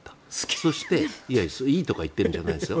それがいいとか言っているんじゃないですよ。